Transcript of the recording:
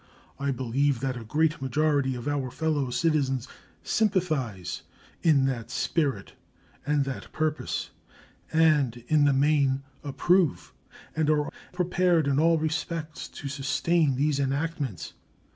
I believe that a great majority of our fellow citizens sympathize in that spirit and that purpose, and in the main approve and are prepared in all respects to sustain these enactments.